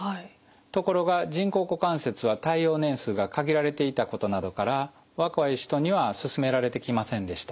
ところが人工股関節は耐用年数が限られていたことなどから若い人には勧められてきませんでした。